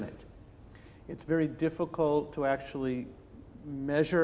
sangat sulit untuk mengukur